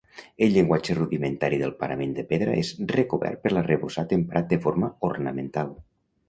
El llenguatge rudimentari del parament de pedra és recobert per l'arrebossat emprat de forma ornamental.